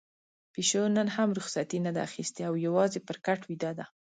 پيشو نن هم رخصتي نه ده اخیستې او يوازې پر کټ ويده ده.